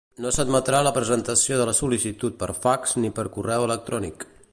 No s'admetrà la presentació de la sol·licitud per fax ni per correu electrònic.